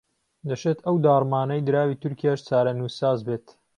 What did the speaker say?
دەشێت ئەم داڕمانەی دراوی تورکیاش چارەنووسساز بێت